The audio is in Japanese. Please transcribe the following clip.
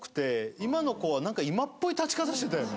今の子はなんか今っぽい立ち方してたよね。